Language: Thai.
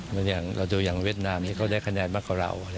อย่างเราดูอย่างเวียดนามนี้เขาได้คะแนนมากกว่าเรา